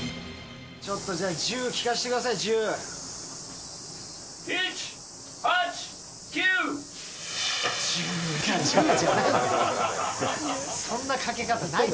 ちょっとじゃあ、じゅー聞かせてください。